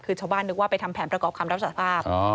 คือชาวบ้านนึกว่าไปทำแผนประกอบคำรับสารภาพ